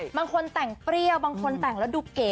บางคนแต่งเปรี้ยวบางคนแต่งแล้วดูเก๋